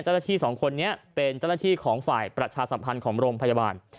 เจ้าหน้าที่สองคนนี้เป็นเจ้าหน้าที่ของฝ่ายประชาสัมพันธ์ของโรงพยาบาล